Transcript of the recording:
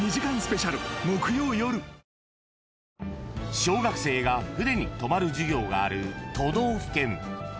［小学生が船に泊まる授業がある都道府県］